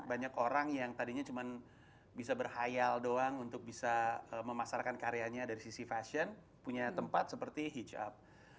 banyak orang yang tadinya cuma bisa berhayal doang untuk bisa memasarkan karyanya dari sisi fashion punya tempat seperti hitch up